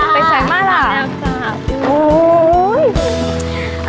เป็นไงมาล่ะ